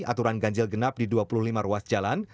aturan ganjil genap di dua puluh lima ruas jalan